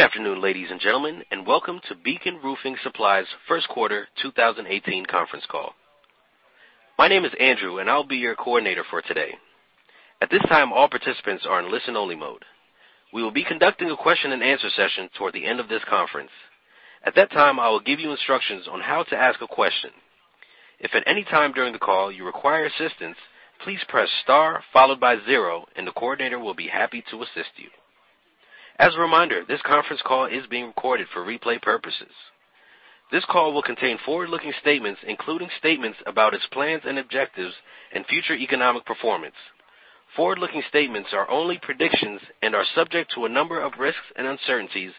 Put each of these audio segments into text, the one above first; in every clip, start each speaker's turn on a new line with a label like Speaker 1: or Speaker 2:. Speaker 1: Good afternoon, ladies and gentlemen, and welcome to Beacon Roofing Supply's first quarter 2018 conference call. My name is Andrew, and I'll be your coordinator for today. At this time, all participants are in listen-only mode. We will be conducting a question and answer session toward the end of this conference. At that time, I will give you instructions on how to ask a question. If at any time during the call you require assistance, please press star followed by zero, and the coordinator will be happy to assist you. As a reminder, this conference call is being recorded for replay purposes. This call will contain forward-looking statements, including statements about its plans and objectives and future economic performance. Forward-looking statements are only predictions and are subject to a number of risks and uncertainties.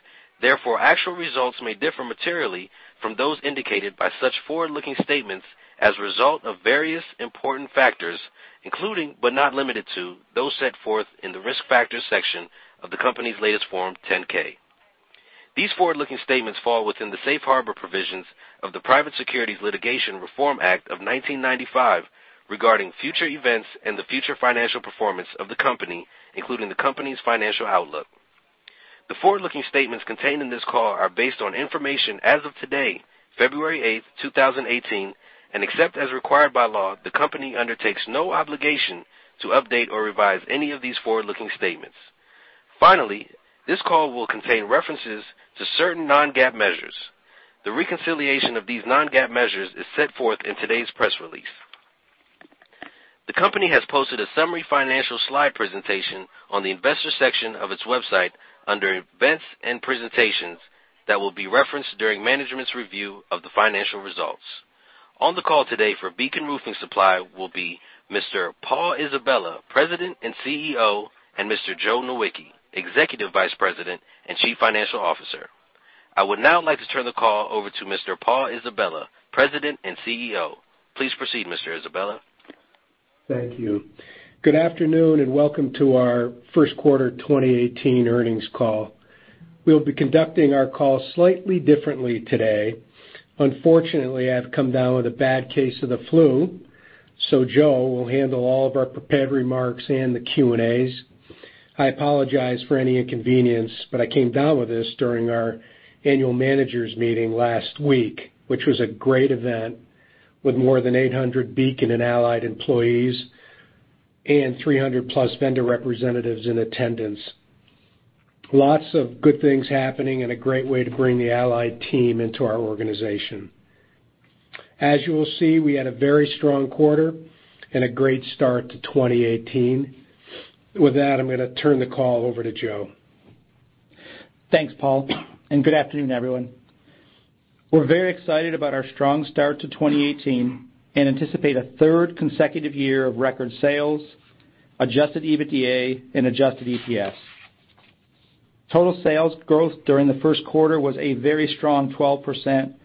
Speaker 1: Actual results may differ materially from those indicated by such forward-looking statements as a result of various important factors, including, but not limited to, those set forth in the Risk Factors section of the company's latest Form 10-K. These forward-looking statements fall within the safe harbor provisions of the Private Securities Litigation Reform Act of 1995 regarding future events and the future financial performance of the company, including the company's financial outlook. The forward-looking statements contained in this call are based on information as of today, February 8th, 2018, and except as required by law, the company undertakes no obligation to update or revise any of these forward-looking statements. Finally, this call will contain references to certain non-GAAP measures. The reconciliation of these non-GAAP measures is set forth in today's press release. The company has posted a summary financial slide presentation on the investor section of its website under Events and Presentations that will be referenced during management's review of the financial results. On the call today for Beacon Roofing Supply will be Mr. Paul Isabella, President and CEO, and Mr. Joe Nowicki, Executive Vice President and Chief Financial Officer. I would now like to turn the call over to Mr. Paul Isabella, President and CEO. Please proceed, Mr. Isabella.
Speaker 2: Thank you. Good afternoon, and welcome to our first quarter 2018 earnings call. We'll be conducting our call slightly differently today. Unfortunately, I've come down with a bad case of the flu. Joe will handle all of our prepared remarks and the Q&As. I apologize for any inconvenience. I came down with this during our annual managers meeting last week, which was a great event with more than 800 Beacon and Allied employees and 300-plus vendor representatives in attendance. Lots of good things happening and a great way to bring the Allied team into our organization. As you will see, we had a very strong quarter and a great start to 2018. With that, I'm going to turn the call over to Joe.
Speaker 3: Thanks, Paul. Good afternoon, everyone. We're very excited about our strong start to 2018 and anticipate a third consecutive year of record sales, adjusted EBITDA, and adjusted EPS. Total sales growth during the first quarter was a very strong 12%,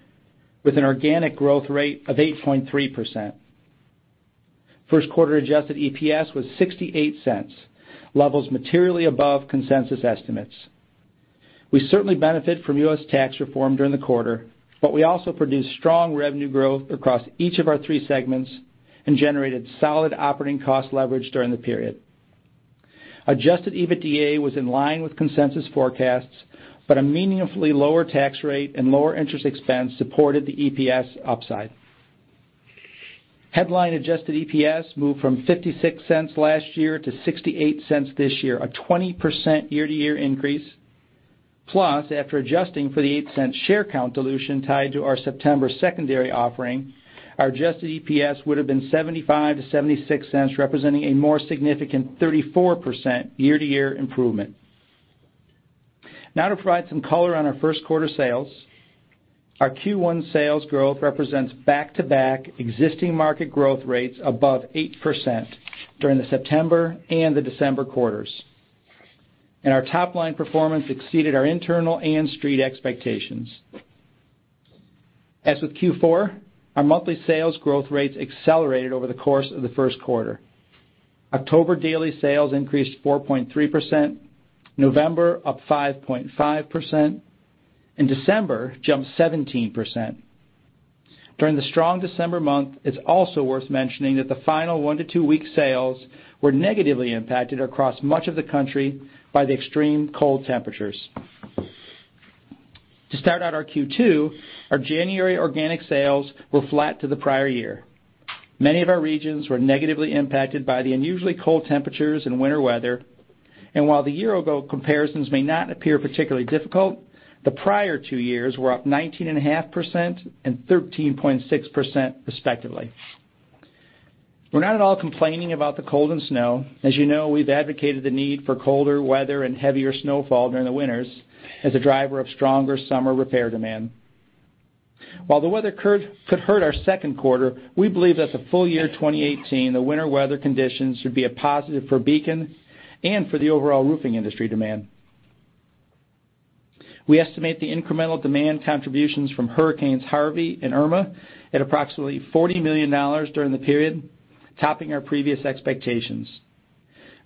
Speaker 3: with an organic growth rate of 8.3%. First quarter adjusted EPS was $0.68, levels materially above consensus estimates. We certainly benefit from U.S. tax reform during the quarter. We also produced strong revenue growth across each of our three segments and generated solid operating cost leverage during the period. Adjusted EBITDA was in line with consensus forecasts. A meaningfully lower tax rate and lower interest expense supported the EPS upside. Headline adjusted EPS moved from $0.56 last year to $0.68 this year, a 20% year-to-year increase. Plus, after adjusting for the $0.08 share count dilution tied to our September secondary offering, our adjusted EPS would've been $0.75-$0.76, representing a more significant 34% year-to-year improvement. Now to provide some color on our first quarter sales. Our Q1 sales growth represents back-to-back existing market growth rates above 8% during the September and the December quarters. Our top-line performance exceeded our internal and street expectations. As with Q4, our monthly sales growth rates accelerated over the course of the first quarter. October daily sales increased 4.3%, November up 5.5%, and December jumped 17%. During the strong December month, it's also worth mentioning that the final one to two weeks' sales were negatively impacted across much of the country by the extreme cold temperatures. To start out our Q2, our January organic sales were flat to the prior year. Many of our regions were negatively impacted by the unusually cold temperatures and winter weather. While the year-ago comparisons may not appear particularly difficult, the prior two years were up 19.5% and 13.6% respectively. We're not at all complaining about the cold and snow. As you know, we've advocated the need for colder weather and heavier snowfall during the winters as a driver of stronger summer repair demand. While the weather could hurt our second quarter, we believe that the full year 2018, the winter weather conditions should be a positive for Beacon and for the overall roofing industry demand. We estimate the incremental demand contributions from hurricanes Harvey and Irma at approximately $40 million during the period, topping our previous expectations.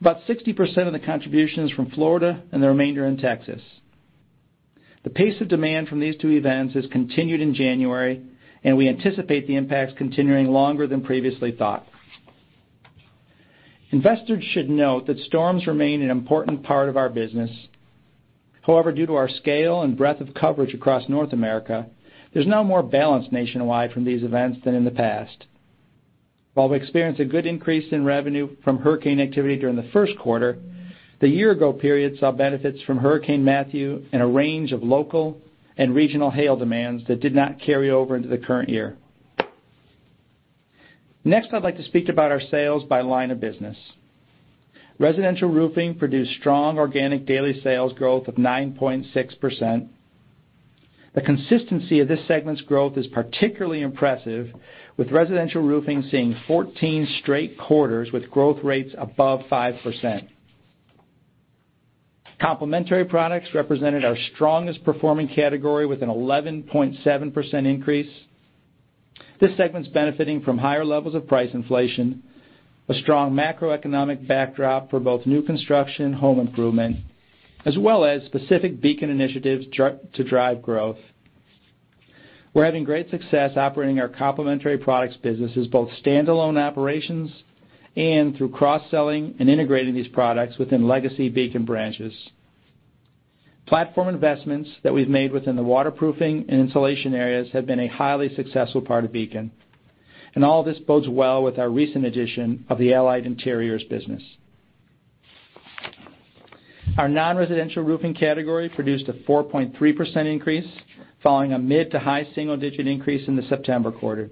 Speaker 3: About 60% of the contribution is from Florida and the remainder in Texas. The pace of demand from these two events has continued in January. We anticipate the impacts continuing longer than previously thought. Investors should note that storms remain an important part of our business. However, due to our scale and breadth of coverage across North America, there's now more balance nationwide from these events than in the past. While we experienced a good increase in revenue from hurricane activity during the first quarter, the year-ago period saw benefits from Hurricane Matthew and a range of local and regional hail demands that did not carry over into the current year. Next, I'd like to speak about our sales by line of business. Residential roofing produced strong organic daily sales growth of 9.6%. The consistency of this segment's growth is particularly impressive, with residential roofing seeing 14 straight quarters with growth rates above 5%. Complementary products represented our strongest performing category, with an 11.7% increase. This segment's benefiting from higher levels of price inflation, a strong macroeconomic backdrop for both new construction and home improvement, as well as specific Beacon initiatives to drive growth. We're having great success operating our complementary products business as both standalone operations and through cross-selling and integrating these products within legacy Beacon branches. Platform investments that we've made within the waterproofing and insulation areas have been a highly successful part of Beacon, and all this bodes well with our recent addition of the Allied Interiors business. Our non-residential roofing category produced a 4.3% increase, following a mid to high single-digit increase in the September quarter.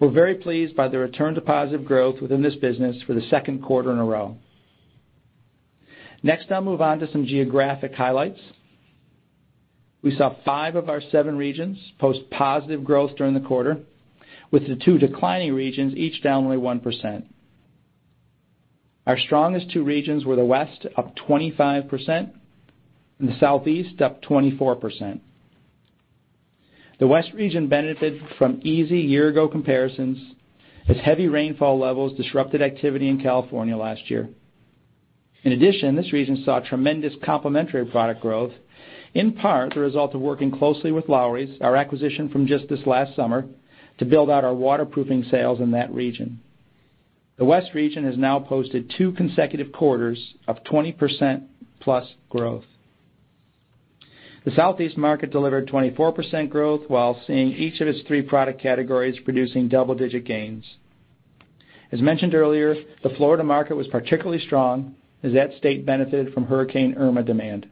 Speaker 3: We're very pleased by the return to positive growth within this business for the second quarter in a row. I'll move on to some geographic highlights. We saw five of our seven regions post positive growth during the quarter, with the two declining regions each down only 1%. Our strongest two regions were the West, up 25%, and the Southeast, up 24%. The West region benefited from easy year-ago comparisons, as heavy rainfall levels disrupted activity in California last year. In addition, this region saw tremendous complementary product growth, in part the result of working closely with Lowry's, our acquisition from just this last summer, to build out our waterproofing sales in that region. The West region has now posted two consecutive quarters of 20%-plus growth. The Southeast market delivered 24% growth while seeing each of its three product categories producing double-digit gains. As mentioned earlier, the Florida market was particularly strong, as that state benefited from Hurricane Irma demand.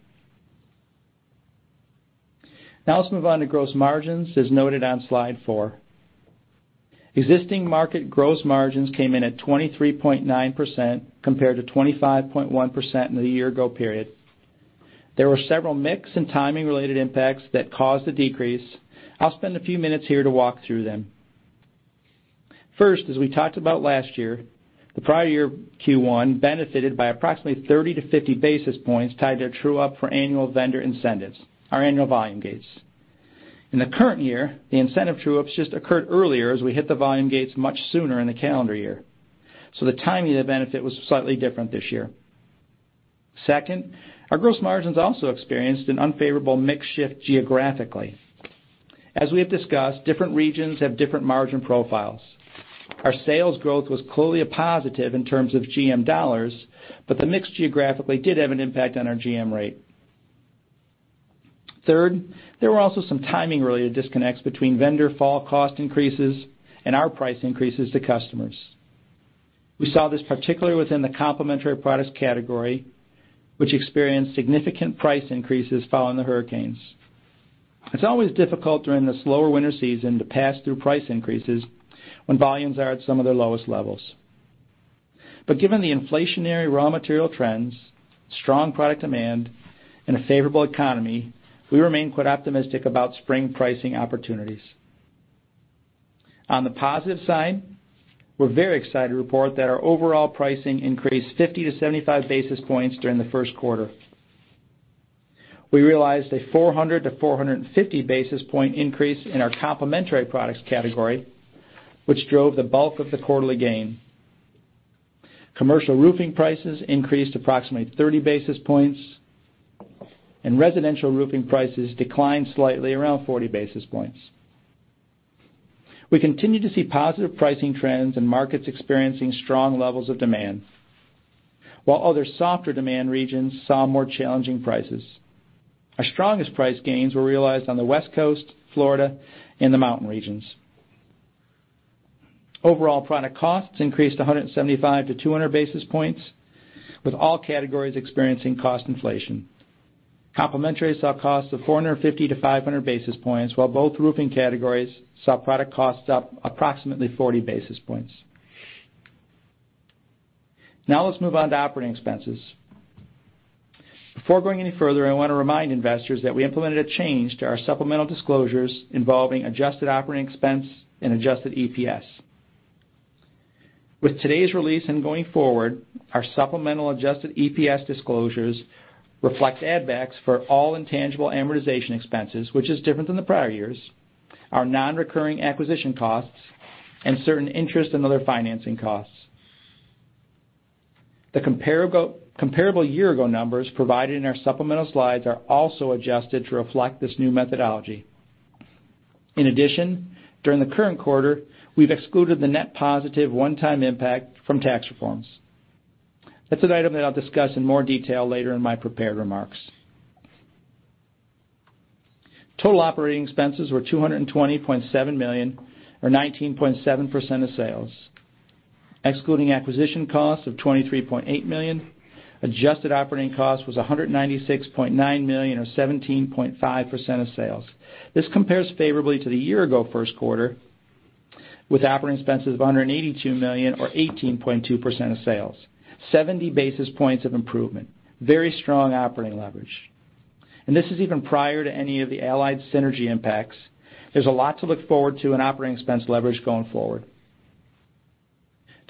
Speaker 3: Let's move on to gross margins, as noted on slide four. Existing market gross margins came in at 23.9% compared to 25.1% in the year-ago period. There were several mix and timing-related impacts that caused the decrease. I'll spend a few minutes here to walk through them. As we talked about last year, the prior year Q1 benefited by approximately 30-50 basis points tied to a true-up for annual vendor incentives, our annual volume gates. In the current year, the incentive true-ups just occurred earlier as we hit the volume gates much sooner in the calendar year, so the timing of the benefit was slightly different this year. Our gross margins also experienced an unfavorable mix shift geographically. As we have discussed, different regions have different margin profiles. Our sales growth was clearly a positive in terms of GM dollars, but the mix geographically did have an impact on our GM rate. There were also some timing-related disconnects between vendor fall cost increases and our price increases to customers. We saw this particularly within the complementary products category, which experienced significant price increases following the hurricanes. It's always difficult during the slower winter season to pass through price increases when volumes are at some of their lowest levels. Given the inflationary raw material trends, strong product demand, and a favorable economy, we remain quite optimistic about spring pricing opportunities. On the positive side, we're very excited to report that our overall pricing increased 50-75 basis points during the first quarter. We realized a 400-450 basis point increase in our complementary products category, which drove the bulk of the quarterly gain. Commercial roofing prices increased approximately 30 basis points, and residential roofing prices declined slightly, around 40 basis points. We continue to see positive pricing trends in markets experiencing strong levels of demand, while other softer demand regions saw more challenging prices. Our strongest price gains were realized on the West Coast, Florida, and the mountain regions. Overall product costs increased 175-200 basis points, with all categories experiencing cost inflation. Complementary saw costs of 450-500 basis points, while both roofing categories saw product costs up approximately 40 basis points. Let's move on to operating expenses. Before going any further, I want to remind investors that we implemented a change to our supplemental disclosures involving adjusted operating expense and adjusted EPS. With today's release and going forward, our supplemental adjusted EPS disclosures reflect add backs for all intangible amortization expenses, which is different than the prior years, our non-recurring acquisition costs, and certain interest and other financing costs. The comparable year-ago numbers provided in our supplemental slides are also adjusted to reflect this new methodology. During the current quarter, we've excluded the net positive one-time impact from tax reforms. That's an item that I'll discuss in more detail later in my prepared remarks. Total operating expenses were $220.7 million or 19.7% of sales. Excluding acquisition costs of $23.8 million, adjusted operating cost was $196.9 million or 17.5% of sales. This compares favorably to the year ago first quarter, with operating expenses of $182 million or 18.2% of sales, 70 basis points of improvement, very strong operating leverage. This is even prior to any of the Allied synergy impacts. There's a lot to look forward to in operating expense leverage going forward.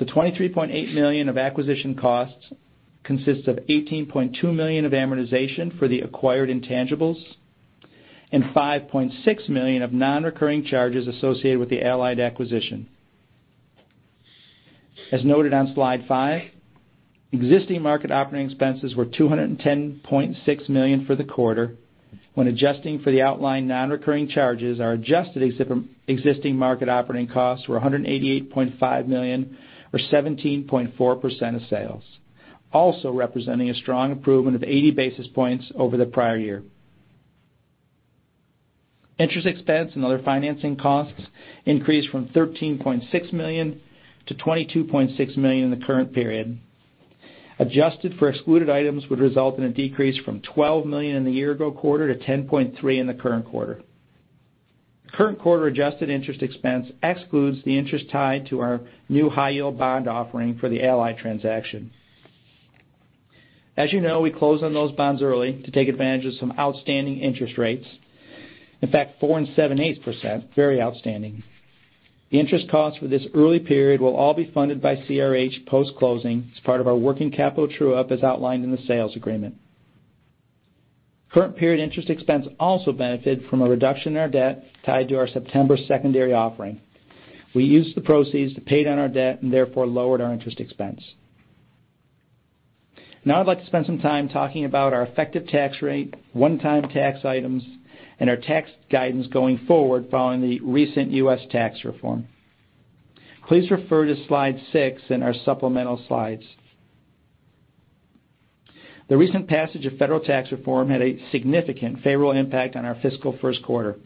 Speaker 3: The $23.8 million of acquisition costs consists of $18.2 million of amortization for the acquired intangibles and $5.6 million of non-recurring charges associated with the Allied acquisition. As noted on slide five, existing market operating expenses were $210.6 million for the quarter. When adjusting for the outlined non-recurring charges, our adjusted existing market operating costs were $188.5 million or 17.4% of sales, also representing a strong improvement of 80 basis points over the prior year. Interest expense and other financing costs increased from $13.6 million to $22.6 million in the current period. Adjusted for excluded items would result in a decrease from $12 million in the year-ago quarter to $10.3 million in the current quarter. The current quarter adjusted interest expense excludes the interest tied to our new high-yield bond offering for the Allied transaction. As you know, we closed on those bonds early to take advantage of some outstanding interest rates. In fact, 4.78%, very outstanding. The interest cost for this early period will all be funded by CRH post-closing as part of our working capital true-up as outlined in the sales agreement. Current period interest expense also benefited from a reduction in our debt tied to our September secondary offering. We used the proceeds to pay down our debt and therefore lowered our interest expense. I'd like to spend some time talking about our effective tax rate, one-time tax items, and our tax guidance going forward following the recent U.S. tax reform. Please refer to slide six in our supplemental slides. The recent passage of federal tax reform had a significant favorable impact on our fiscal first quarter.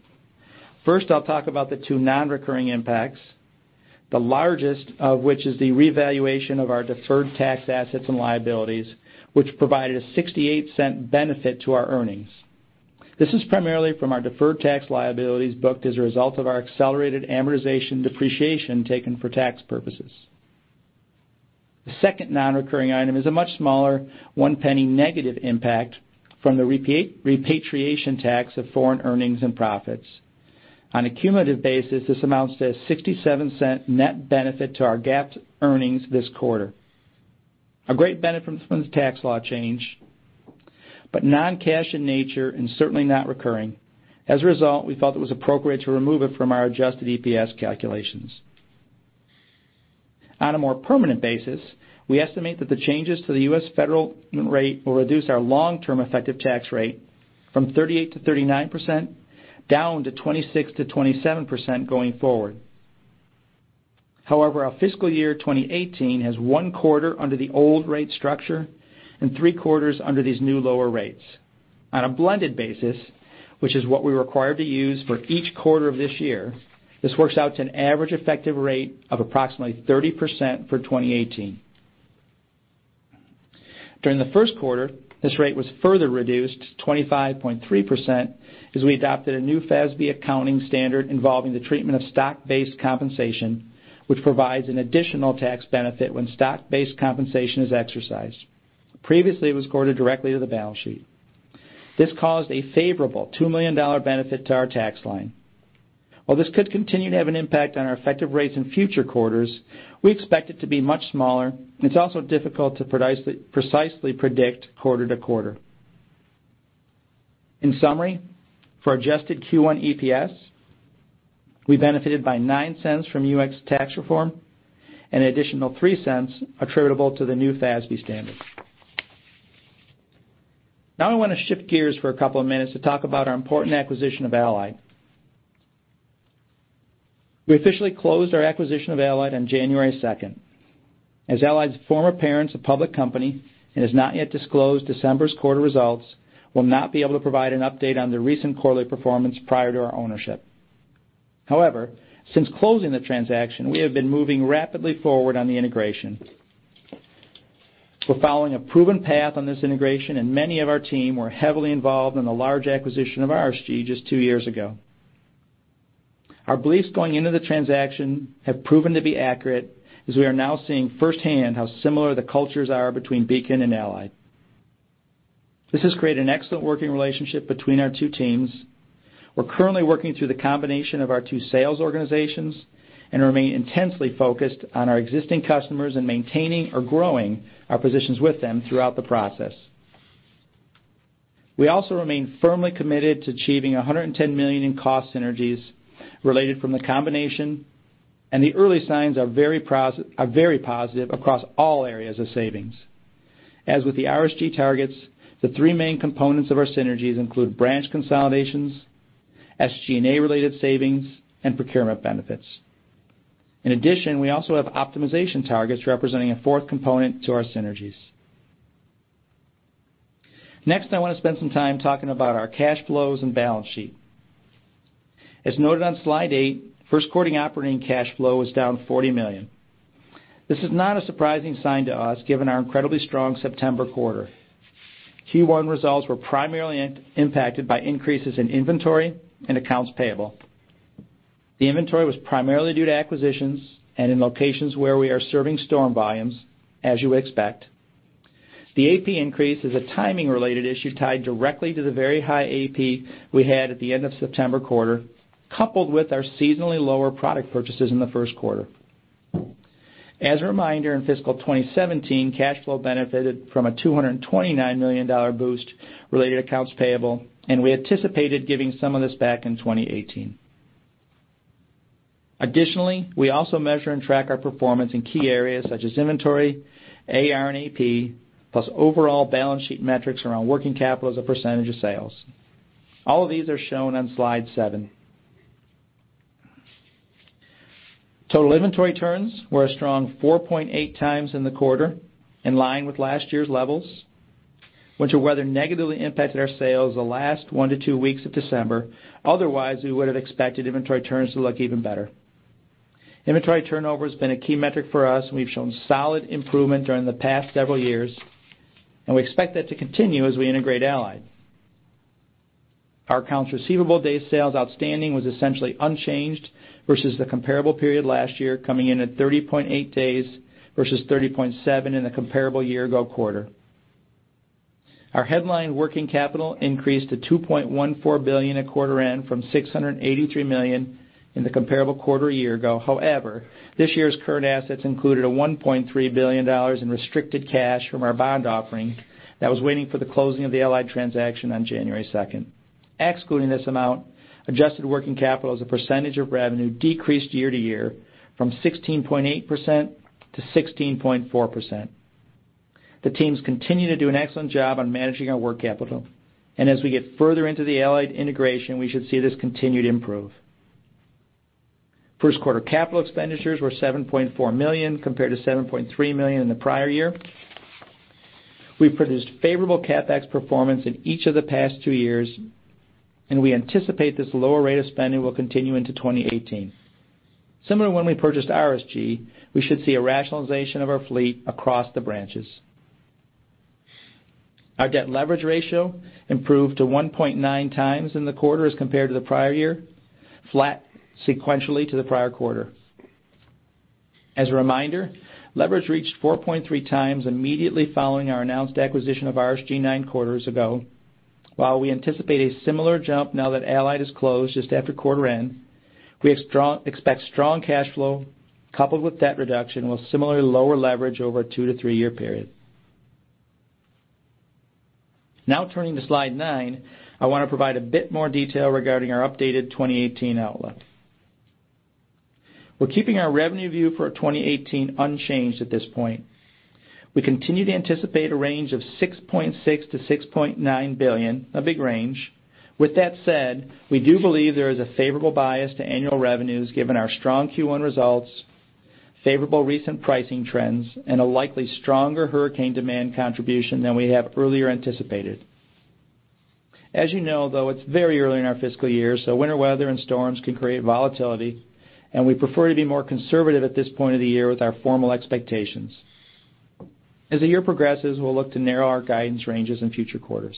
Speaker 3: First, I'll talk about the two non-recurring impacts, the largest of which is the revaluation of our deferred tax assets and liabilities, which provided a $0.68 benefit to our earnings. This is primarily from our deferred tax liabilities booked as a result of our accelerated amortization depreciation taken for tax purposes. The second non-recurring item is a much smaller $0.01 negative impact from the repatriation tax of foreign earnings and profits. On a cumulative basis, this amounts to a $0.67 net benefit to our GAAP earnings this quarter. A great benefit from this tax law change, but non-cash in nature and certainly not recurring. As a result, we felt it was appropriate to remove it from our adjusted EPS calculations. On a more permanent basis, we estimate that the changes to the U.S. federal rate will reduce our long-term effective tax rate from 38%-39% down to 26%-27% going forward. However, our fiscal year 2018 has one quarter under the old rate structure and three quarters under these new lower rates. On a blended basis, which is what we're required to use for each quarter of this year, this works out to an average effective rate of approximately 30% for 2018. During the first quarter, this rate was further reduced to 25.3% as we adopted a new FASB accounting standard involving the treatment of stock-based compensation, which provides an additional tax benefit when stock-based compensation is exercised. Previously, it was recorded directly to the balance sheet. This caused a favorable $2 million benefit to our tax line. While this could continue to have an impact on our effective rates in future quarters, we expect it to be much smaller, and it's also difficult to precisely predict quarter to quarter. In summary, for adjusted Q1 EPS, we benefited by $0.09 from U.S. tax reform and an additional $0.03 attributable to the new FASB standard. Now I want to shift gears for a couple of minutes to talk about our important acquisition of Allied. We officially closed our acquisition of Allied on January 2nd. As Allied's former parent's a public company and has not yet disclosed December's quarter results, we'll not be able to provide an update on their recent quarterly performance prior to our ownership. However, since closing the transaction, we have been moving rapidly forward on the integration. We're following a proven path on this integration, and many of our team were heavily involved in the large acquisition of RSG just two years ago. Our beliefs going into the transaction have proven to be accurate as we are now seeing firsthand how similar the cultures are between Beacon and Allied. This has created an excellent working relationship between our two teams. We're currently working through the combination of our two sales organizations and remain intensely focused on our existing customers and maintaining or growing our positions with them throughout the process. We also remain firmly committed to achieving $110 million in cost synergies related from the combination, and the early signs are very positive across all areas of savings. As with the RSG targets, the three main components of our synergies include branch consolidations, SG&A related savings, and procurement benefits. In addition, we also have optimization targets representing a fourth component to our synergies. Next, I want to spend some time talking about our cash flows and balance sheet. As noted on slide eight, first quarter operating cash flow was down $40 million. This is not a surprising sign to us given our incredibly strong September quarter. Q1 results were primarily impacted by increases in inventory and accounts payable. The inventory was primarily due to acquisitions and in locations where we are serving storm volumes, as you would expect. The AP increase is a timing-related issue tied directly to the very high AP we had at the end of September quarter, coupled with our seasonally lower product purchases in the first quarter. As a reminder, in fiscal 2017, cash flow benefited from a $229 million boost related to accounts payable, and we anticipated giving some of this back in 2018. Additionally, we also measure and track our performance in key areas such as inventory, AR and AP, plus overall balance sheet metrics around working capital as a percentage of sales. All of these are shown on slide seven. Total inventory turns were a strong 4.8 times in the quarter, in line with last year's levels. Winter weather negatively impacted our sales the last one to two weeks of December. Otherwise, we would have expected inventory turns to look even better. Inventory turnover has been a key metric for us, and we've shown solid improvement during the past several years, and we expect that to continue as we integrate Allied. Our accounts receivable day sales outstanding was essentially unchanged versus the comparable period last year, coming in at 30.8 days versus 30.7 in the comparable year-ago quarter. Our headline working capital increased to $2.14 billion at quarter end from $683 million in the comparable quarter a year ago. However, this year's current assets included a $1.3 billion in restricted cash from our bond offering that was waiting for the closing of the Allied transaction on January 2nd. Excluding this amount, adjusted working capital as a percentage of revenue decreased year-to-year from 16.8% to 16.4%. The teams continue to do an excellent job on managing our work capital, and as we get further into the Allied integration, we should see this continue to improve. First quarter capital expenditures were $7.4 million compared to $7.3 million in the prior year. We've produced favorable CapEx performance in each of the past two years, and we anticipate this lower rate of spending will continue into 2018. Similar to when we purchased RSG, we should see a rationalization of our fleet across the branches. Our debt leverage ratio improved to 1.9 times in the quarter as compared to the prior year, flat sequentially to the prior quarter. As a reminder, leverage reached 4.3 times immediately following our announced acquisition of RSG nine quarters ago. While we anticipate a similar jump now that Allied is closed just after quarter end, we expect strong cash flow coupled with debt reduction will similarly lower leverage over a two to three-year period. Now turning to slide nine, I want to provide a bit more detail regarding our updated 2018 outlook. We're keeping our revenue view for 2018 unchanged at this point. We continue to anticipate a range of $6.6 billion-$6.9 billion, a big range. With that said, we do believe there is a favorable bias to annual revenues given our strong Q1 results, favorable recent pricing trends, and a likely stronger hurricane demand contribution than we had earlier anticipated. As you know, though, it's very early in our fiscal year, winter weather and storms can create volatility, we prefer to be more conservative at this point of the year with our formal expectations. As the year progresses, we'll look to narrow our guidance ranges in future quarters.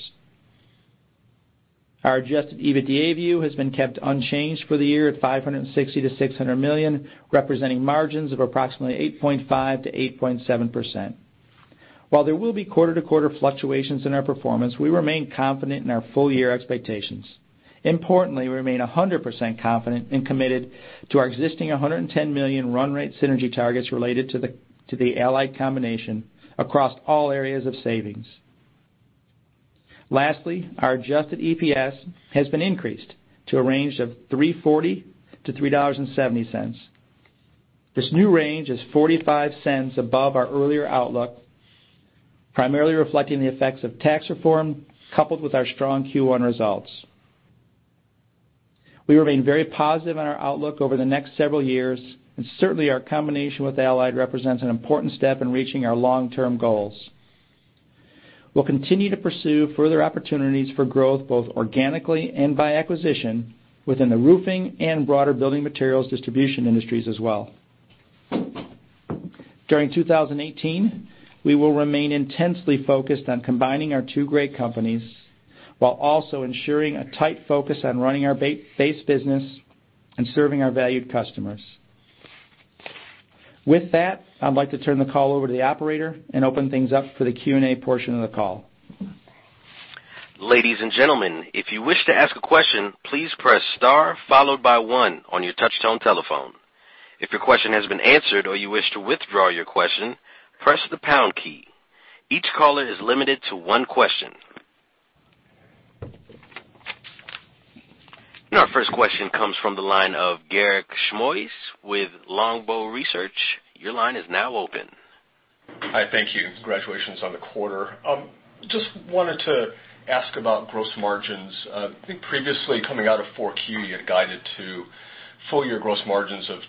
Speaker 3: Our adjusted EBITDA view has been kept unchanged for the year at $560 million-$600 million, representing margins of approximately 8.5%-8.7%. While there will be quarter-to-quarter fluctuations in our performance, we remain confident in our full-year expectations. Importantly, we remain 100% confident and committed to our existing $110 million run rate synergy targets related to the Allied combination across all areas of savings. Lastly, our adjusted EPS has been increased to a range of $3.40-$3.70. This new range is $0.45 above our earlier outlook, primarily reflecting the effects of tax reform coupled with our strong Q1 results. We remain very positive on our outlook over the next several years, certainly, our combination with Allied represents an important step in reaching our long-term goals. We'll continue to pursue further opportunities for growth, both organically and by acquisition, within the roofing and broader building materials distribution industries as well. During 2018, we will remain intensely focused on combining our two great companies while also ensuring a tight focus on running our base business and serving our valued customers. With that, I'd like to turn the call over to the operator and open things up for the Q&A portion of the call.
Speaker 1: Ladies and gentlemen, if you wish to ask a question, please press star followed by one on your touchtone telephone. If your question has been answered or you wish to withdraw your question, press the pound key. Each caller is limited to one question. Our first question comes from the line of Garik Shmois with Longbow Research. Your line is now open.
Speaker 4: Hi, thank you. Congratulations on the quarter. Just wanted to ask about gross margins. I think previously coming out of 4Q, you had guided to full-year gross margins of,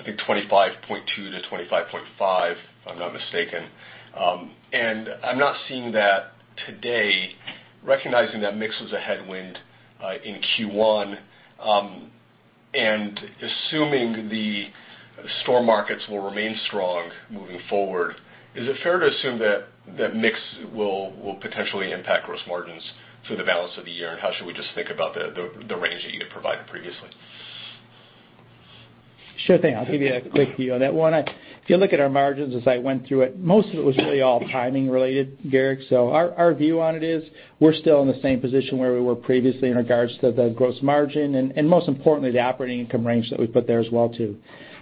Speaker 4: I think, 25.2%-25.5%, if I'm not mistaken. I'm not seeing that today, recognizing that mix was a headwind in Q1, assuming the store markets will remain strong moving forward, is it fair to assume that mix will potentially impact gross margins through the balance of the year? How should we just think about the range that you had provided previously?
Speaker 3: Sure thing. I'll give you a quick view on that one. If you look at our margins as I went through it, most of it was really all timing related, Garik. Our view on it is we're still in the same position where we were previously in regards to the gross margin and most importantly, the operating income range that we put there as well too.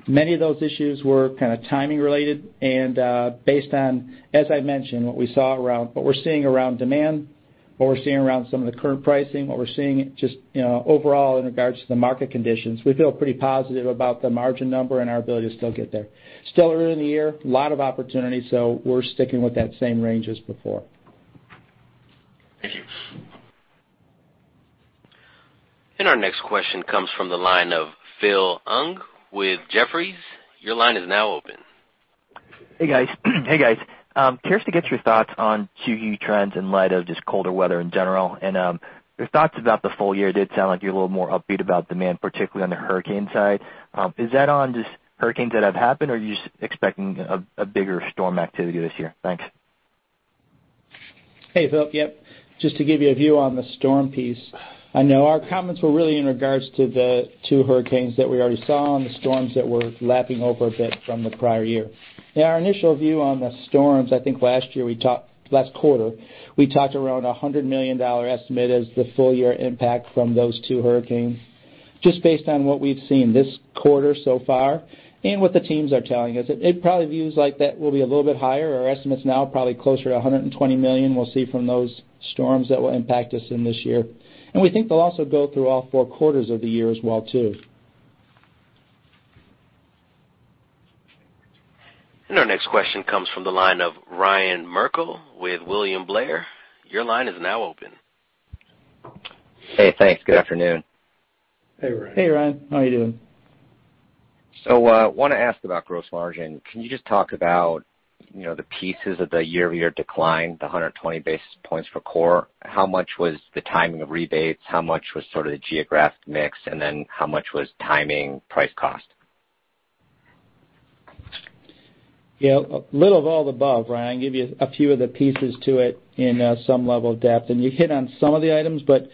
Speaker 3: Many of those issues were kind of timing related and based on, as I mentioned, what we're seeing around demand, what we're seeing around some of the current pricing, what we're seeing just overall in regards to the market conditions. We feel pretty positive about the margin number and our ability to still get there. Still early in the year, a lot of opportunities, we're sticking with that same range as before.
Speaker 4: Thank you.
Speaker 1: Our next question comes from the line of Phil Ng with Jefferies. Your line is now open.
Speaker 5: Hey, guys. Curious to get your thoughts on 2Q trends in light of just colder weather in general, and your thoughts about the full year. Did sound like you're a little more upbeat about demand, particularly on the hurricane side. Is that on just hurricanes that have happened, or are you just expecting a bigger storm activity this year? Thanks.
Speaker 3: Hey, Phil. Yep. Just to give you a view on the storm piece. I know our comments were really in regards to the two hurricanes that we already saw and the storms that were lapping over a bit from the prior year. Our initial view on the storms, I think last quarter, we talked around $100 million estimate as the full year impact from those two hurricanes. Just based on what we've seen this quarter so far and what the teams are telling us, it probably views like that will be a little bit higher. Our estimate's now probably closer to $120 million we'll see from those storms that will impact us in this year. We think they'll also go through all 4 quarters of the year as well, too.
Speaker 1: Our next question comes from the line of Ryan Merkel with William Blair. Your line is now open.
Speaker 6: Hey, thanks. Good afternoon.
Speaker 2: Hey, Ryan.
Speaker 3: Hey, Ryan. How are you doing?
Speaker 6: I want to ask about gross margin. Can you just talk about the pieces of the year-over-year decline, the 120 basis points for core? How much was the timing of rebates? How much was sort of the geographic mix, how much was timing price cost?
Speaker 3: A little of all the above, Ryan. Give you a few of the pieces to it in some level of depth, and you hit on some of the items, but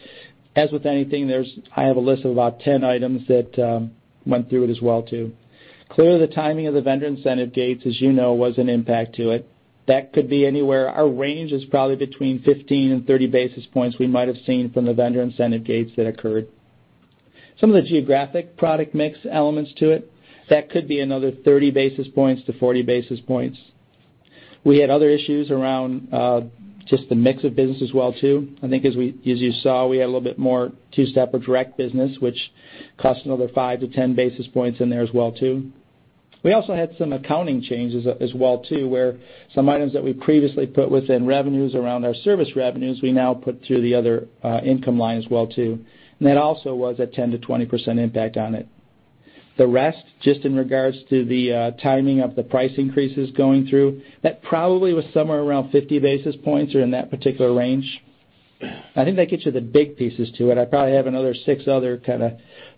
Speaker 3: as with anything, I have a list of about 10 items that went through it as well too. Clearly, the timing of the vendor incentive gates, as you know, was an impact to it. That could be anywhere. Our range is probably between 15 and 30 basis points we might have seen from the vendor incentive gates that occurred. Some of the geographic product mix elements to it. That could be another 30-40 basis points. We had other issues around just the mix of business as well too. I think as you saw, we had a little bit more two-step or direct business, which cost another 5-10 basis points in there as well too. We also had some accounting changes as well too, where some items that we previously put within revenues around our service revenues, we now put to the other income line as well too. That also was a 10%-20% impact on it. The rest, just in regards to the timing of the price increases going through, that probably was somewhere around 50 basis points or in that particular range. I think that gets you the big pieces to it. I probably have another six other kind of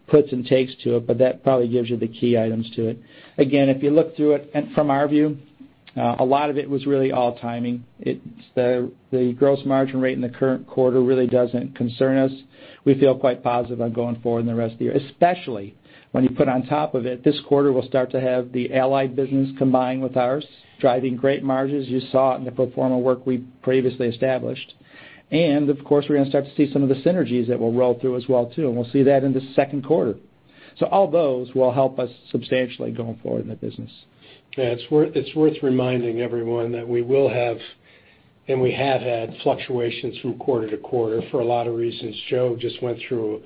Speaker 3: puts and takes to it, but that probably gives you the key items to it. Again, if you look through it from our view, a lot of it was really all timing. The gross margin rate in the current quarter really doesn't concern us. We feel quite positive on going forward in the rest of the year, especially when you put on top of it, this quarter, we'll start to have the Allied business combined with ours, driving great margins. You saw it in the pro forma work we previously established. Of course, we're going to start to see some of the synergies that will roll through as well too, and we'll see that in the second quarter. All those will help us substantially going forward in the business.
Speaker 2: Yeah. It's worth reminding everyone that we will have, and we have had fluctuations from quarter to quarter for a lot of reasons. Joe just went through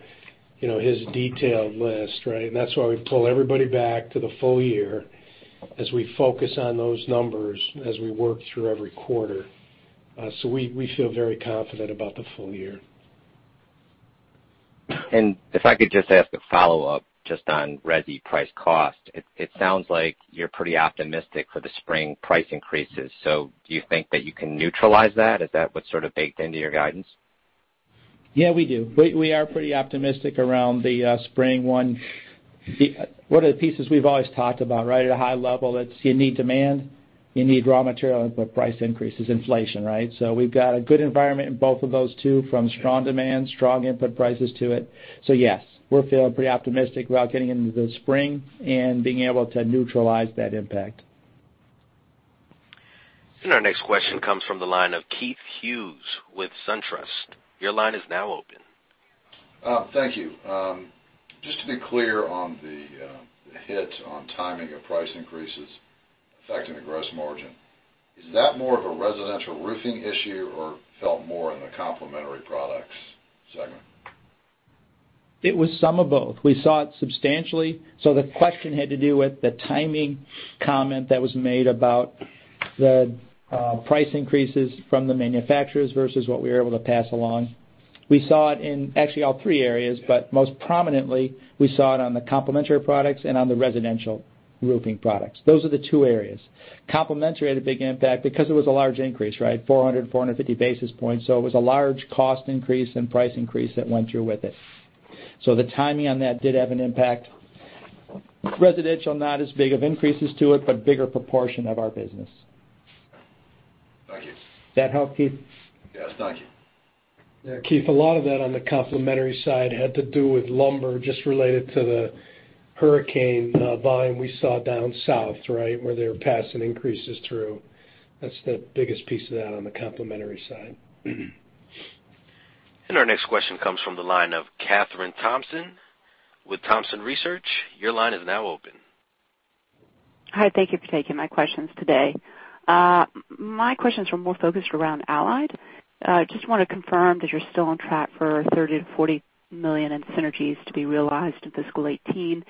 Speaker 2: his detailed list, right? That's why we pull everybody back to the full year as we focus on those numbers as we work through every quarter. We feel very confident about the full year.
Speaker 6: If I could just ask a follow-up just on resi price cost. It sounds like you're pretty optimistic for the spring price increases. Do you think that you can neutralize that? Is that what's sort of baked into your guidance?
Speaker 3: Yeah, we do. We are pretty optimistic around the spring one. One of the pieces we've always talked about, right at a high level, it's you need demand, you need raw material input price increases, inflation, right? We've got a good environment in both of those two from strong demand, strong input prices to it. Yes, we're feeling pretty optimistic about getting into the spring and being able to neutralize that impact.
Speaker 1: Our next question comes from the line of Keith Hughes with SunTrust. Your line is now open.
Speaker 7: Thank you. Just to be clear on the hit on timing of price increases affecting the gross margin. Is that more of a residential roofing issue or felt more in the complementary products segment?
Speaker 3: It was some of both. We saw it substantially. The question had to do with the timing comment that was made about the price increases from the manufacturers versus what we were able to pass along. We saw it in actually all three areas, but most prominently, we saw it on the complementary products and on the residential roofing products. Those are the two areas. Complementary had a big impact because it was a large increase, right? 400-450 basis points. It was a large cost increase and price increase that went through with it. The timing on that did have an impact. Residential, not as big of increases to it, but bigger proportion of our business.
Speaker 7: Thank you.
Speaker 3: Does that help, Keith?
Speaker 7: Yes. Thank you.
Speaker 2: Yeah, Keith, a lot of that on the complementary side had to do with lumber, just related to the hurricane volume we saw down south, where they were passing increases through. That's the biggest piece of that on the complementary side.
Speaker 1: Our next question comes from the line of Kathryn Thompson with Thompson Research. Your line is now open.
Speaker 8: Hi, thank you for taking my questions today. My questions were more focused around Allied. Just want to confirm that you're still on track for $30 million-$40 million in synergies to be realized in fiscal 2018.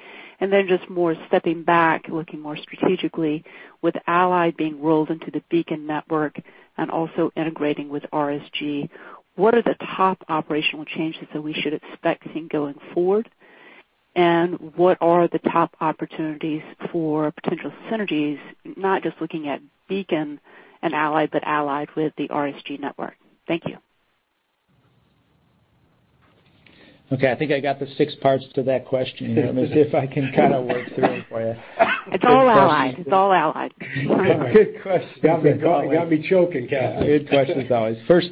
Speaker 8: Just more stepping back, looking more strategically with Allied being rolled into the Beacon network and also integrating with RSG. What are the top operational changes that we should expect seeing going forward? What are the top opportunities for potential synergies, not just looking at Beacon and Allied, but Allied with the RSG network? Thank you.
Speaker 3: Okay. I think I got the six parts to that question, let me see if I can kind of work through it for you.
Speaker 8: It's all Allied. It's all Allied.
Speaker 2: Good question. Got me choking, Kathryn.
Speaker 3: Good questions always. First,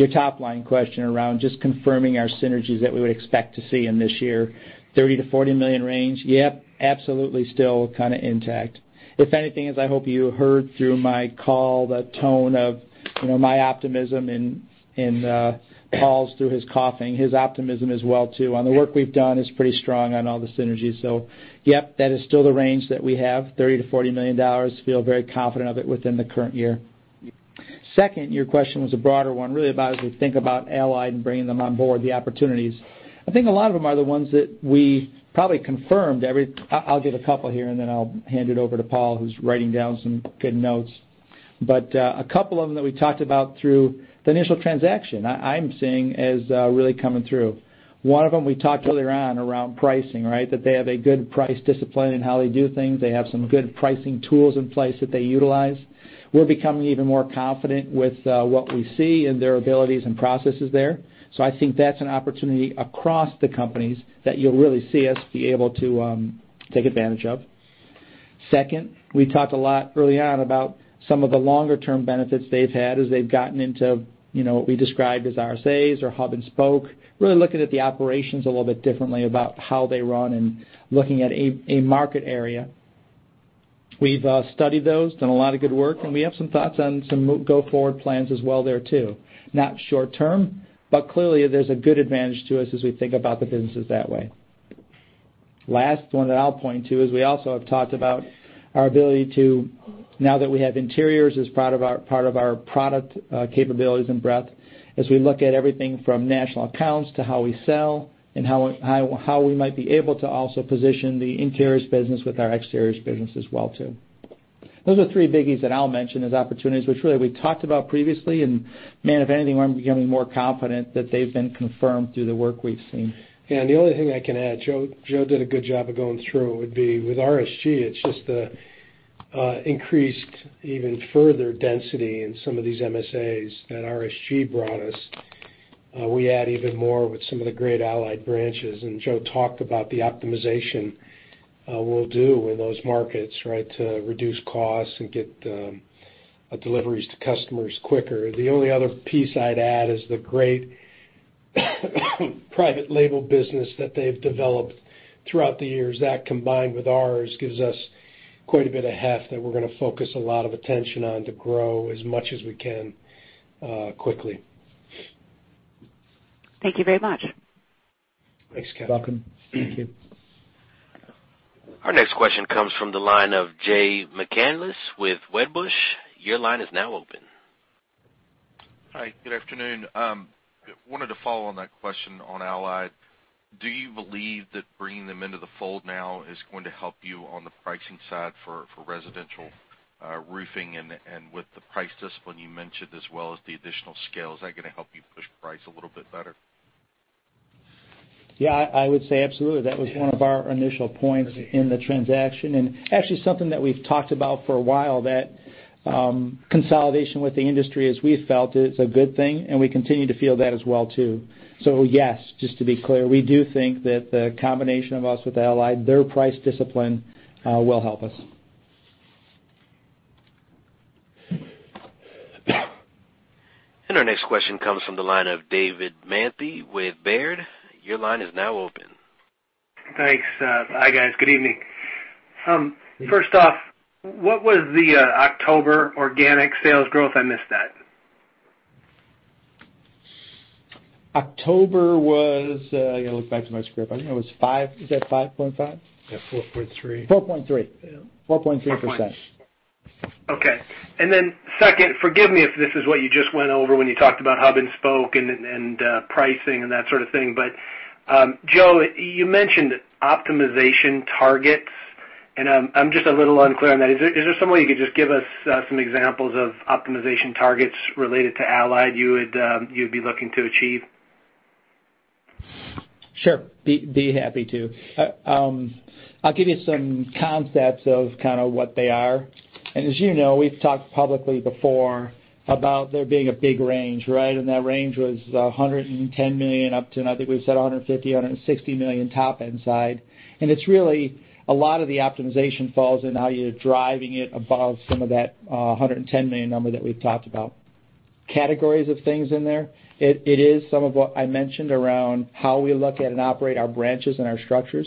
Speaker 3: your top-line question around just confirming our synergies that we would expect to see in this year, $30 million-$40 million range. Yep, absolutely still kind of intact. If anything, as I hope you heard through my call, the tone of my optimism and Paul's, through his coughing, his optimism as well too on the work we've done is pretty strong on all the synergies. Yes, that is still the range that we have, $30 million-$40 million. Feel very confident of it within the current year. Second, your question was a broader one, really about as we think about Allied and bringing them on board, the opportunities. I think a lot of them are the ones that we probably I'll give a couple here, and then I'll hand it over to Paul, who's writing down some good notes. A couple of them that we talked about through the initial transaction, I'm seeing as really coming through. One of them we talked earlier on around pricing. They have a good price discipline in how they do things. They have some good pricing tools in place that they utilize. We're becoming even more confident with what we see in their abilities and processes there. I think that's an opportunity across the companies that you'll really see us be able to take advantage of. Second, we talked a lot early on about some of the longer-term benefits they've had as they've gotten into what we described as RSAs or hub and spoke. Really looking at the operations a little bit differently about how they run and looking at a market area. We've studied those, done a lot of good work. We have some thoughts on some go-forward plans as well there too. Not short term, but clearly, there's a good advantage to us as we think about the businesses that way. Last one that I'll point to is we also have talked about our ability to, now that we have Interiors as part of our product capabilities and breadth, as we look at everything from national accounts to how we sell and how we might be able to also position the Interiors business with our exteriors business as well too. Those are three biggies that I'll mention as opportunities, which really we talked about previously. Man, if anything, we're becoming more confident that they've been confirmed through the work we've seen.
Speaker 2: The only thing I can add, Joe did a good job of going through, would be with RSG, it's just the increased even further density in some of these MSAs that RSG brought us. We add even more with some of the great Allied branches, and Joe talked about the optimization we'll do in those markets to reduce costs and get deliveries to customers quicker. The only other piece I'd add is the great private label business that they've developed throughout the years. That, combined with ours, gives us quite a bit of heft that we're going to focus a lot of attention on to grow as much as we can quickly.
Speaker 8: Thank you very much.
Speaker 2: Thanks, Kathryn.
Speaker 3: You're welcome. Thank you.
Speaker 1: Our next question comes from the line of Jay McCanless with Wedbush. Your line is now open.
Speaker 9: Hi, good afternoon. Wanted to follow on that question on Allied. Do you believe that bringing them into the fold now is going to help you on the pricing side for residential roofing and with the price discipline you mentioned as well as the additional scale? Is that going to help you push price a little bit better?
Speaker 3: Yeah, I would say absolutely. That was one of our initial points in the transaction, and actually something that we've talked about for a while, that consolidation with the industry, as we felt, is a good thing, and we continue to feel that as well too. Yes, just to be clear, we do think that the combination of us with Allied, their price discipline will help us.
Speaker 1: Our next question comes from the line of David Manthey with Baird. Your line is now open.
Speaker 10: Thanks. Hi, guys. Good evening. First off, what was the October organic sales growth? I missed that.
Speaker 3: October was, I got to look back to my script. I know it was 5. Is that 5.5?
Speaker 2: Yeah, 4.3.
Speaker 3: 4.3. Yeah. 4.3%.
Speaker 10: Okay. Second, forgive me if this is what you just went over when you talked about hub and spoke and pricing and that sort of thing, Joe, you mentioned optimization targets, and I'm just a little unclear on that. Is there some way you could just give us some examples of optimization targets related to Allied you'd be looking to achieve?
Speaker 3: Sure. Be happy to. I'll give you some concepts of kind of what they are. As you know, we've talked publicly before about there being a big range, right? That range was $110 million up to, I think we've said $150 million, $160 million top-end side. It's really a lot of the optimization falls in how you're driving it above some of that $110 million number that we've talked about. Categories of things in there. It is some of what I mentioned around how we look at and operate our branches and our structures,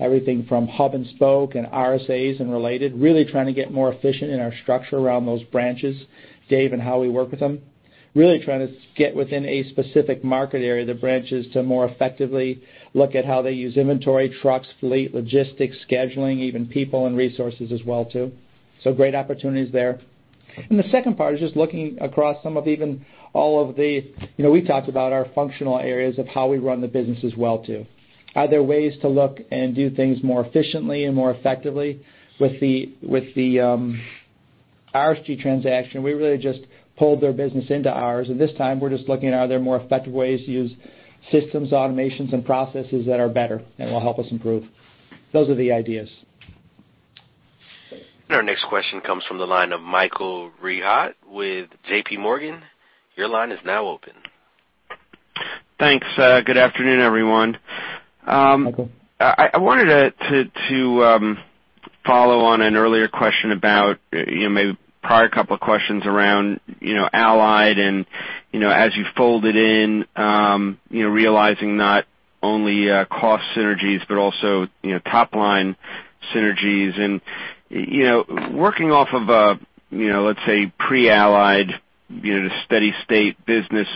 Speaker 3: everything from hub and spoke and RSAs and related, really trying to get more efficient in our structure around those branches, David, and how we work with them. Really trying to get within a specific market area of the branches to more effectively look at how they use inventory, trucks, fleet, logistics, scheduling, even people and resources as well too. Great opportunities there. The second part is just looking across some of even all of the, we talked about our functional areas of how we run the business as well too. Are there ways to look and do things more efficiently and more effectively? With the RSG transaction, we really just pulled their business into ours, and this time we're just looking at are there more effective ways to use systems, automations, and processes that are better and will help us improve? Those are the ideas.
Speaker 1: Our next question comes from the line of Michael Rehaut with JP Morgan. Your line is now open.
Speaker 11: Thanks. Good afternoon, everyone.
Speaker 3: Michael.
Speaker 11: I wanted to follow on an earlier question about, maybe prior couple of questions around Allied and, as you fold it in, realizing not only cost synergies but also top-line synergies and working off of a, let's say, pre-Allied, the steady state business,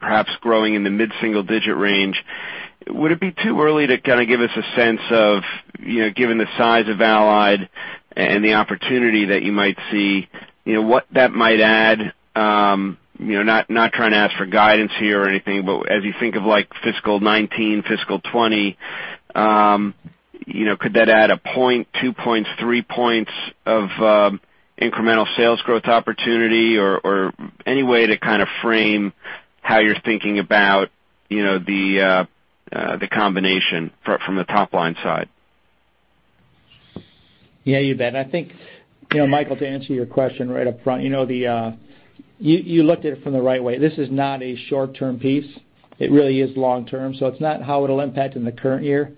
Speaker 11: perhaps growing in the mid-single digit range, would it be too early to kind of give us a sense of, given the size of Allied and the opportunity that you might see, what that might add? Not trying to ask for guidance here or anything, but as you think of like fiscal 2019, fiscal 2020, could that add a point, two points, three points of incremental sales growth opportunity or any way to kind of frame how you're thinking about the combination from the top-line side?
Speaker 3: Yeah, you bet. I think, Michael, to answer your question right up front, you looked at it from the right way. This is not a short-term piece. It really is long-term. It's not how it'll impact in the current year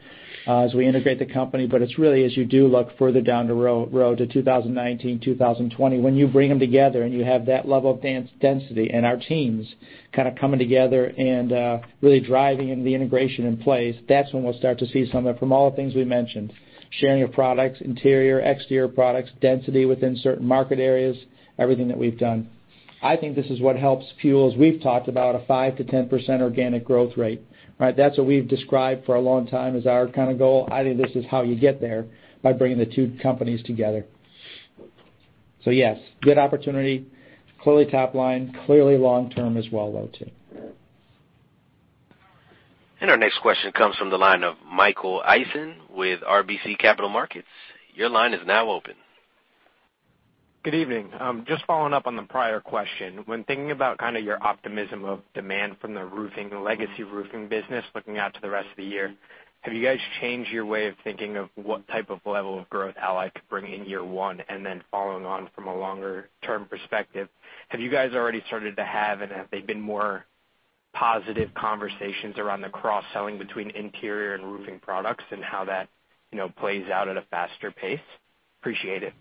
Speaker 3: as we integrate the company, but it's really as you do look further down the road to 2019, 2020. When you bring them together and you have that level of density and our teams kind of coming together and really driving the integration in place, that's when we'll start to see some of it from all the things we mentioned, sharing of products, interior, exterior products, density within certain market areas, everything that we've done. I think this is what helps fuel, as we've talked about, a 5%-10% organic growth rate, right? That's what we've described for a long time as our kind of goal. I think this is how you get there, by bringing the two companies together. Yes, good opportunity. Clearly top line, clearly long term as well, though, too.
Speaker 1: Our next question comes from the line of Michael Eisen with RBC Capital Markets. Your line is now open.
Speaker 12: Good evening. Just following up on the prior question. When thinking about kind of your optimism of demand from the roofing, the legacy roofing business, looking out to the rest of the year, have you guys changed your way of thinking of what type of level of growth Allied could bring in year one? Following on from a longer-term perspective, have you guys already started to have, and have they been more positive conversations around the cross-selling between interior and roofing products and how that plays out at a faster pace? Appreciate it.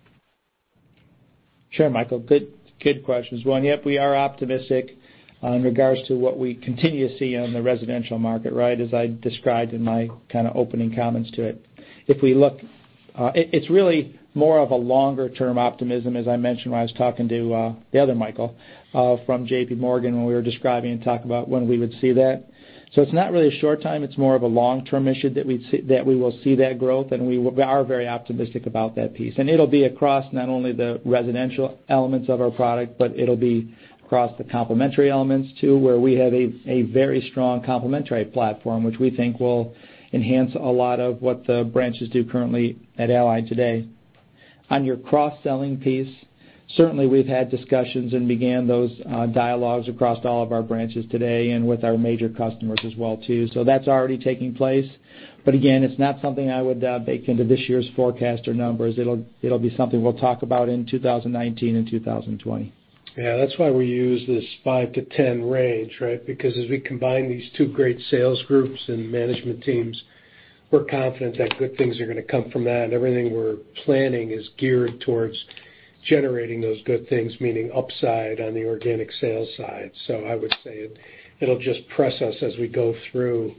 Speaker 3: Sure, Michael. Good questions. One, yep, we are optimistic in regards to what we continue to see on the residential market, right, as I described in my kind of opening comments to it. It's really more of a longer-term optimism, as I mentioned when I was talking to the other Michael from JP Morgan when we were describing and talking about when we would see that. It's not really a short time, it's more of a long-term issue that we will see that growth and we are very optimistic about that piece. It'll be across not only the residential elements of our product, but it'll be across the complementary elements too, where we have a very strong complementary platform, which we think will enhance a lot of what the branches do currently at Allied today. On your cross-selling piece, certainly we've had discussions and began those dialogues across all of our branches today and with our major customers as well too. That's already taking place. Again, it's not something I would bake into this year's forecast or numbers. It'll be something we'll talk about in 2019 and 2020.
Speaker 2: Yeah, that's why we use this 5-10 range, right? As we combine these two great sales groups and management teams, we're confident that good things are going to come from that. Everything we're planning is geared towards generating those good things, meaning upside on the organic sales side. I would say it'll just press us as we go through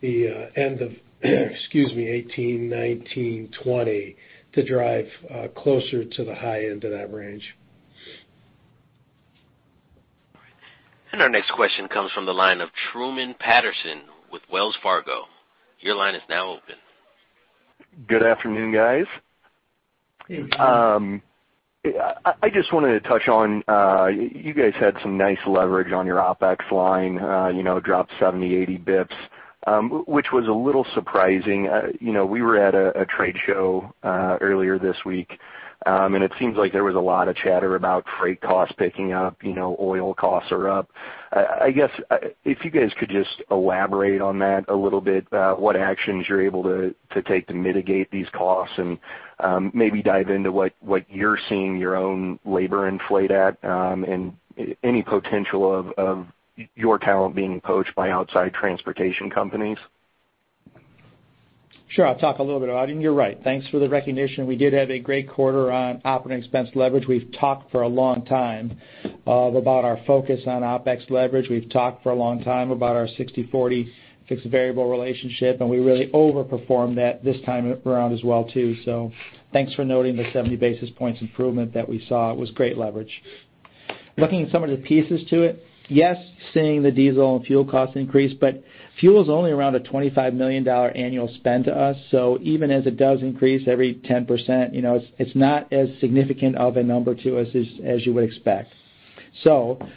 Speaker 2: the end of, excuse me, 2018, 2019, 2020, to drive closer to the high end of that range.
Speaker 1: All right. Our next question comes from the line of Truman Patterson with Wells Fargo. Your line is now open.
Speaker 13: Good afternoon, guys.
Speaker 3: Good afternoon.
Speaker 13: I just wanted to touch on, you guys had some nice leverage on your OpEx line, it dropped 70, 80 basis points, which was a little surprising. It seems like there was a lot of chatter about freight costs picking up, oil costs are up. I guess, if you guys could just elaborate on that a little bit, what actions you're able to take to mitigate these costs and maybe dive into what you're seeing your own labor inflate at, and any potential of your talent being poached by outside transportation companies.
Speaker 3: Sure. I'll talk a little bit about it. You're right, thanks for the recognition. We did have a great quarter on operating expense leverage. We've talked for a long time about our focus on OpEx leverage. We've talked for a long time about our 60/40 fixed variable relationship, and we really overperformed that this time around as well, too. Thanks for noting the 70 basis points improvement that we saw. It was great leverage. Looking at some of the pieces to it, yes, seeing the diesel and fuel costs increase, but fuel's only around a $25 million annual spend to us, so even as it does increase every 10%, it's not as significant of a number to us as you would expect.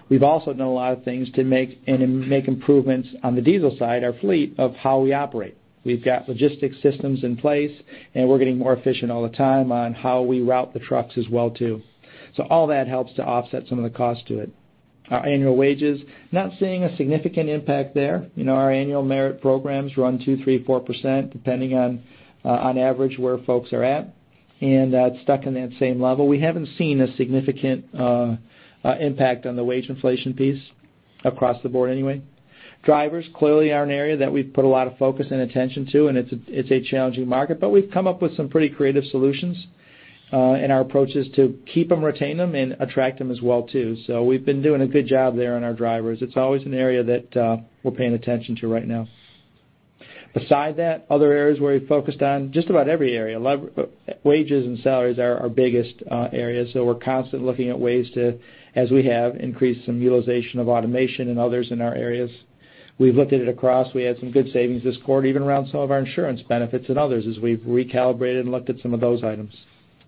Speaker 3: We've also done a lot of things to make improvements on the diesel side, our fleet, of how we operate. We've got logistics systems in place, and we're getting more efficient all the time on how we route the trucks as well, too. All that helps to offset some of the cost to it. Our annual wages, not seeing a significant impact there. Our annual merit programs run 2%, 3%, 4%, depending on average, where folks are at, and that's stuck in that same level. We haven't seen a significant impact on the wage inflation piece across the board anyway. Drivers clearly are an area that we've put a lot of focus and attention to, and it's a challenging market. We've come up with some pretty creative solutions, and our approach is to keep them, retain them, and attract them as well, too. We've been doing a good job there on our drivers. It's always an area that we're paying attention to right now. Beside that, other areas where we focused on just about every area. Wages and salaries are our biggest area. We're constantly looking at ways to, as we have, increase some utilization of automation and others in our areas. We've looked at it across. We had some good savings this quarter, even around some of our insurance benefits and others as we've recalibrated and looked at some of those items.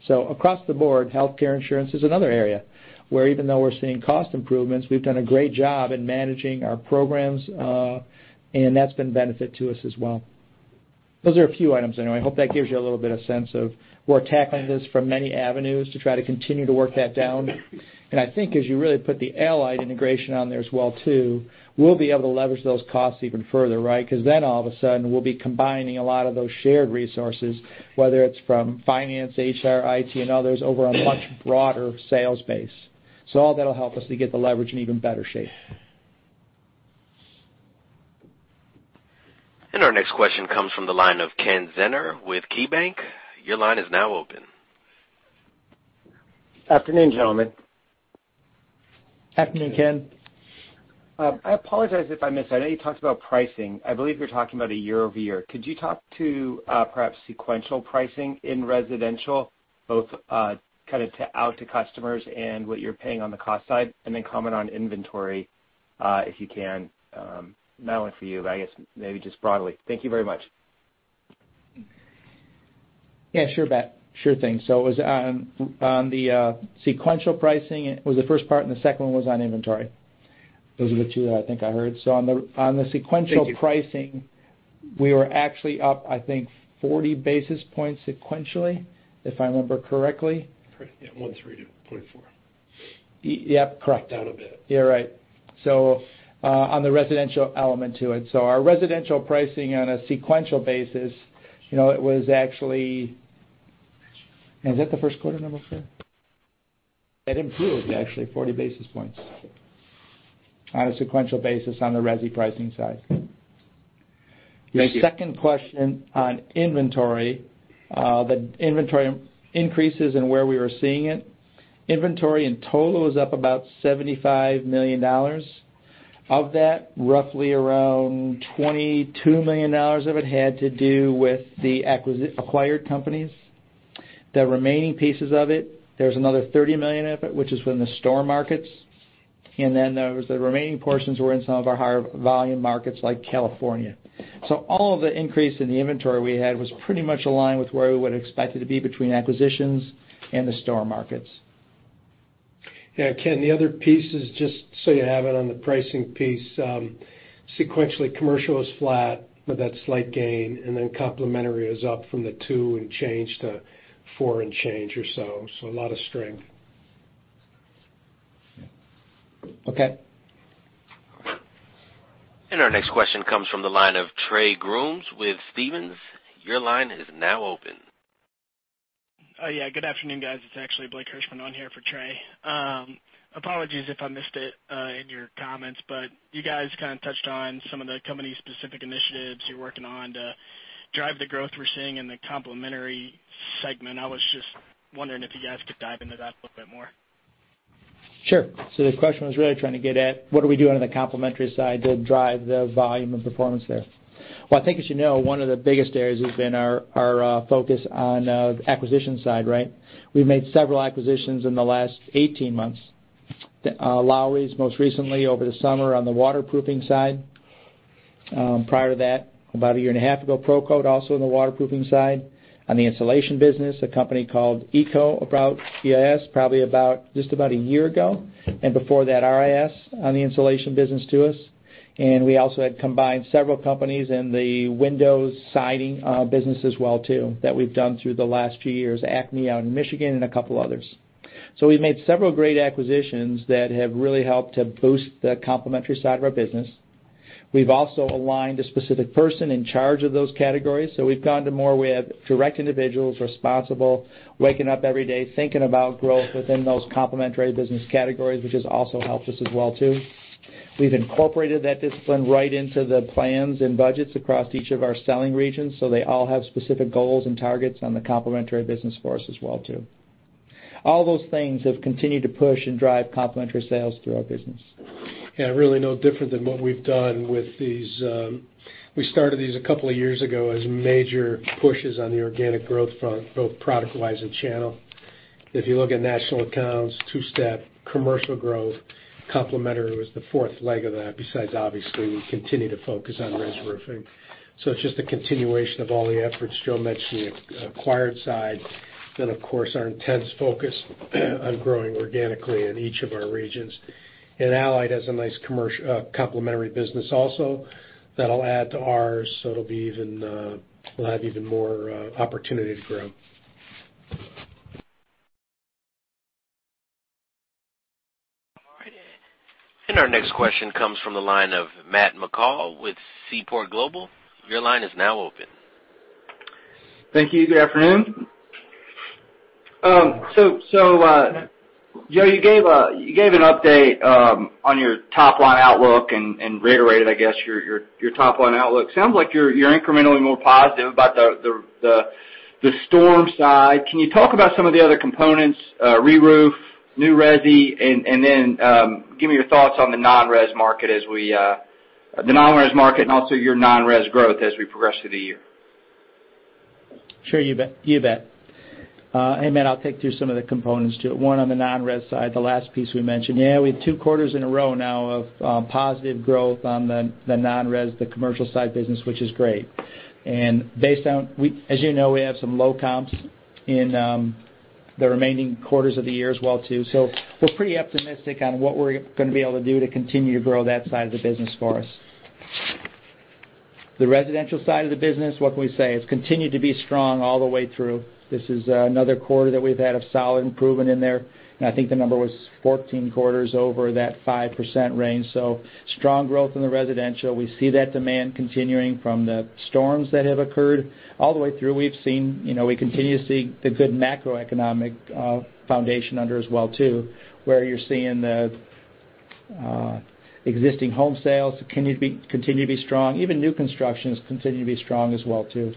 Speaker 3: Across the board, healthcare insurance is another area, where even though we're seeing cost improvements, we've done a great job in managing our programs, and that's been a benefit to us as well. Those are a few items anyway. Hope that gives you a little bit of sense of we're tackling this from many avenues to try to continue to work that down. I think as you really put the Allied integration on there as well too, we'll be able to leverage those costs even further, right? Because then all of a sudden, we'll be combining a lot of those shared resources, whether it's from finance, HR, IT, and others, over a much broader sales base. All that'll help us to get the leverage in even better shape.
Speaker 1: Our next question comes from the line of Ken Zener with KeyBanc. Your line is now open.
Speaker 14: Afternoon, gentlemen.
Speaker 3: Afternoon, Ken.
Speaker 14: I apologize if I missed it. I know you talked about pricing. I believe you're talking about a year-over-year. Could you talk to perhaps sequential pricing in residential, both kind of out to customers and what you're paying on the cost side? Then comment on inventory, if you can. Not only for you, but I guess maybe just broadly. Thank you very much.
Speaker 3: Yeah, sure bet. Sure thing. It was on the sequential pricing was the first part. The second one was on inventory. Those are the two that I think I heard.
Speaker 14: Thank you
Speaker 3: pricing, we were actually up, I think, 40 basis points sequentially, if I remember correctly.
Speaker 2: Correct. Yeah, 130.4.
Speaker 3: Yep, correct.
Speaker 2: Down a bit.
Speaker 3: You're right. On the residential element to it. Our residential pricing on a sequential basis, it was actually Is that the first quarter number, sir? It improved, actually, 40 basis points on a sequential basis on the resi pricing side.
Speaker 14: Thank you.
Speaker 3: Your second question on inventory. The inventory increases and where we were seeing it. Inventory in total is up about $75 million. Of that, roughly around $22 million of it had to do with the acquired companies. The remaining pieces of it, there's another $30 million of it, which is from the store markets. There was the remaining portions were in some of our higher volume markets like California. All of the increase in the inventory we had was pretty much in line with where we would expect it to be between acquisitions and the store markets.
Speaker 2: Ken, the other piece is just so you have it on the pricing piece. Sequentially, commercial was flat, but that's slight gain, complementary is up from the two and change to four and change or so. A lot of strength.
Speaker 14: Okay.
Speaker 1: Our next question comes from the line of Trey Grooms with Stephens. Your line is now open.
Speaker 15: Good afternoon, guys. It's actually Blake Hirschman on here for Trey. Apologies if I missed it in your comments, you guys kind of touched on some of the company's specific initiatives you're working on to drive the growth we're seeing in the complementary segment. I was just wondering if you guys could dive into that a little bit more.
Speaker 3: Sure. The question was really trying to get at what are we doing on the complementary side to drive the volume and performance there? I think as you know, one of the biggest areas has been our focus on the acquisition side, right? We've made several acquisitions in the last 18 months. Lowry's most recently over the summer on the waterproofing side. Prior to that, about a year and a half ago, ProCoat, also in the waterproofing side, on the insulation business, a company called Eco about, yes, probably just about a year ago. Before that, RIS on the insulation business to us. We also had combined several companies in the windows siding business as well too, that we've done through the last few years, Acme out in Michigan and a couple others. We've made several great acquisitions that have really helped to boost the complementary side of our business. We've also aligned a specific person in charge of those categories. We've gone to more, we have direct individuals responsible, waking up every day, thinking about growth within those complementary business categories, which has also helped us as well too. We've incorporated that discipline right into the plans and budgets across each of our selling regions, so they all have specific goals and targets on the complementary business for us as well too. All those things have continued to push and drive complementary sales through our business.
Speaker 2: Really no different than what we've done with these. We started these a couple of years ago as major pushes on the organic growth front, both product-wise and channel. If you look at national accounts, two-step, commercial growth, complementary was the fourth leg of that, besides obviously, we continue to focus on res roofing. It's just a continuation of all the efforts Joe mentioned, the acquired side, then of course, our intense focus on growing organically in each of our regions. Allied has a nice complementary business also that'll add to ours, so it'll have even more opportunity to grow.
Speaker 1: All right. Our next question comes from the line of Matt McCall with Seaport Global. Your line is now open.
Speaker 16: Thank you. Good afternoon. Joe, you gave an update on your top-line outlook and reiterated, I guess, your top-line outlook. Sounds like you're incrementally more positive about the storm side. Can you talk about some of the other components, reroof, new resi, and then give me your thoughts on the non-res market and also your non-res growth as we progress through the year?
Speaker 3: Sure, you bet. Hey, Matt, I'll take you through some of the components to it. One on the non-res side, the last piece we mentioned. Yeah, we have 2 quarters in a row now of positive growth on the non-res, the commercial side business, which is great. As you know, we have some low comps in the remaining quarters of the year as well too. We're pretty optimistic on what we're going to be able to do to continue to grow that side of the business for us. The residential side of the business, what can we say? It's continued to be strong all the way through. This is another quarter that we've had of solid improvement in there, and I think the number was 14 quarters over that 5% range. Strong growth in the residential. We see that demand continuing from the storms that have occurred all the way through. We continue to see the good macroeconomic foundation under as well too, where you're seeing the existing home sales continue to be strong. Even new constructions continue to be strong as well too.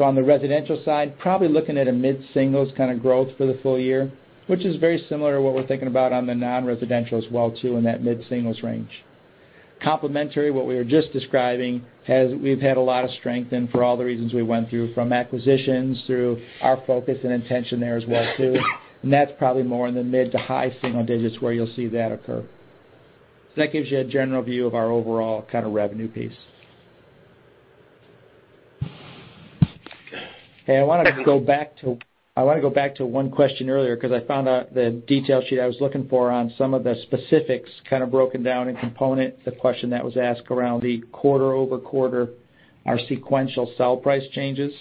Speaker 3: On the residential side, probably looking at a mid-singles kind of growth for the full year, which is very similar to what we're thinking about on the non-residential as well too, in that mid-singles range. Complementary, what we were just describing, as we've had a lot of strength in for all the reasons we went through, from acquisitions through our focus and intention there as well too. That's probably more in the mid to high single digits where you'll see that occur. That gives you a general view of our overall kind of revenue piece. Hey, I want to go back to one question earlier because I found the detail sheet I was looking for on some of the specifics, kind of broken down in component, the question that was asked around the quarter-over-quarter, our sequential sell price changes.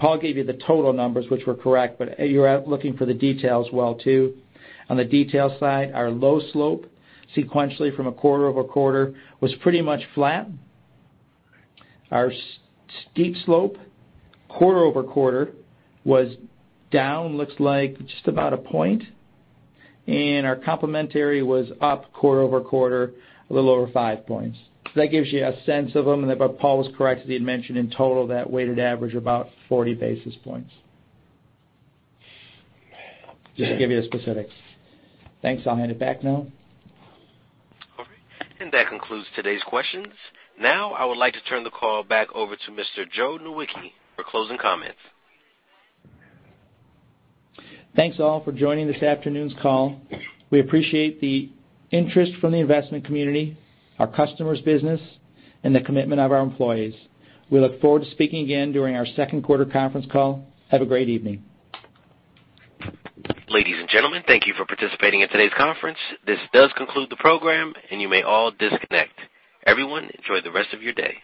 Speaker 3: Paul gave you the total numbers, which were correct, but you're looking for the details as well, too. On the details side, our low slope sequentially from a quarter-over-quarter was pretty much flat. Our steep slope quarter-over-quarter was down, looks like just about a point, and our complementary was up quarter-over-quarter, a little over five points. That gives you a sense of them. Paul was correct, as he had mentioned in total, that weighted average about 40 basis points. Just to give you the specifics. Thanks. I'll hand it back now.
Speaker 1: All right. That concludes today's questions. Now, I would like to turn the call back over to Mr. Joe Nowicki for closing comments.
Speaker 3: Thanks all for joining this afternoon's call. We appreciate the interest from the investment community, our customers' business, and the commitment of our employees. We look forward to speaking again during our second quarter conference call. Have a great evening.
Speaker 1: Ladies and gentlemen, thank you for participating in today's conference. This does conclude the program, and you may all disconnect. Everyone, enjoy the rest of your day.